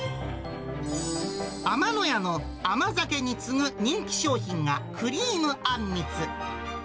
天野屋の甘酒に次ぐ人気商品がクリームあんみつ。